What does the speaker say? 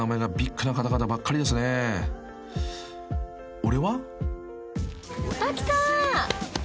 ［俺は？］